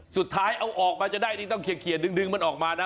สุดท้ายเอาออกมาจะได้นี่ต้องเขียนดึงมันออกมานะ